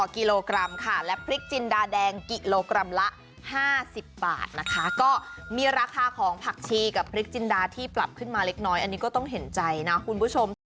กับพริกจินดาที่ปรับขึ้นมาเล็กน้อยอันนี้ก็ต้องเห็นใจนะคุณผู้ชม